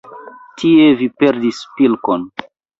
Tie vi perdis pilkon.